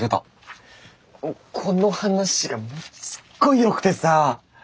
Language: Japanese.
この話がすっごいよくてさ。